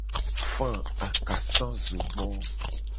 Fa akasazogbo.